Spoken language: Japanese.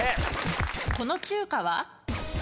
この中華は？